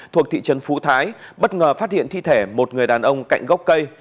thuộc thị trấn phú thái bất ngờ phát hiện thi thể một người đàn ông cạnh gốc cây